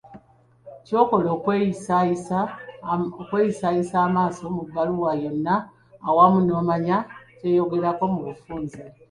Ky'okola kwekuyisaayisa amaaso mu bbaluwa yonna awamu n'omanya ky'eyogerako mu bufunze.